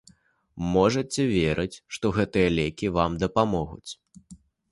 Можаце верыць, што гэтыя лекі вам дапамогуць.